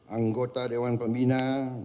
anggota dewan pembina